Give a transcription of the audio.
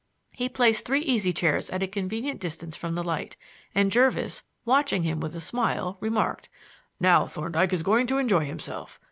He placed three easy chairs at a convenient distance from the light, and Jervis, watching him with a smile, remarked: "Now Thorndyke is going to enjoy himself.